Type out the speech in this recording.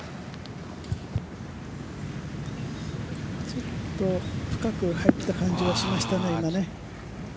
ちょっと深く入った感じはしましたね。